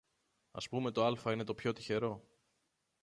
Ας πούμε το άλφα είναι το πιο τυχερό